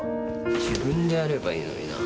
自分でやればいいのになぁ。